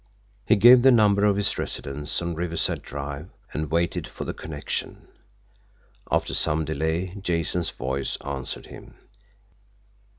He gave the number of his residence on Riverside Drive, and waited for the connection. After some delay, Jason's voice answered him.